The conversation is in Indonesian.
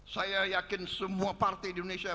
saya yakin semua partai di indonesia